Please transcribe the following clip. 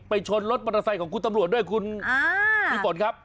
ไปชนรถปันดาไซของคุณตำรวจด้วยคุณพี่ปนครับ